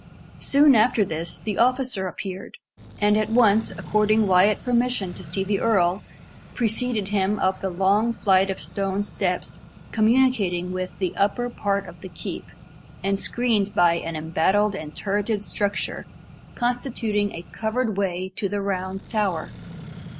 Soon after this, the officer appeared, and at once according Wyat permission to see the earl, preceded him up the long flight of stone steps communicating with the upper part of the keep, and screened by an embattled and turreted structure, constituting a covered way to the Round Tower.